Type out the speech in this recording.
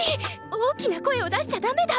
大きな声を出しちゃだめだ！！